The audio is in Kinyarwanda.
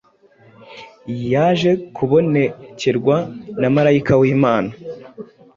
yaje kubonekerwa na marayika w’Imana